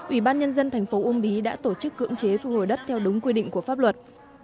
ủy ban nhân dân thành phố uông bí đã tổ chức cưỡng chế thu hồi đất theo đúng quy định của pháp luật